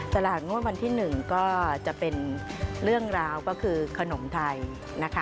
ตลาดงวดวันที่๑ก็จะเป็นเรื่องราวก็คือขนมไทยนะคะ